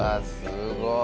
すごい！